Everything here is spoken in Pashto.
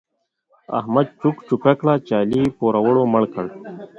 احمد چوک چوکه کړه چې علي پوروړو مړ کړ.